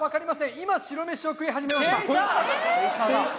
今白飯を食い始めました。